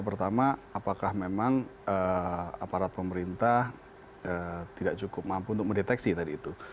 pertama apakah memang aparat pemerintah tidak cukup mampu untuk mendeteksi tadi itu